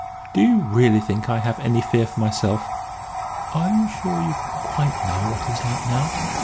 "Do you really think I have any fear for myself?" "Are you sure you quite know what he is like now?"